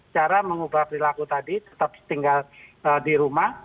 cara mengubah perilaku tadi tetap tinggal di rumah